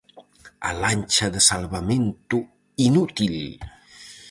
A lancha de salvamento inútil.